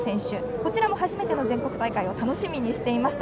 こちらも初めての全国大会を楽しみにしていました。